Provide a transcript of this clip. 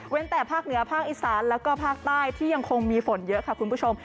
แต่ภาคเหนือภาคอีสานแล้วก็ภาคใต้ที่ยังคงมีฝนเยอะค่ะคุณผู้ชม